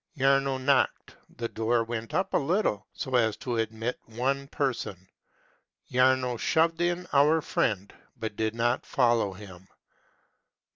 Jaruo knocked : the door went up a little, so as to admit one person. Jarno shoved in our friend, but did not follow him.